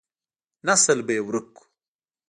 نسل به يې ورک کو.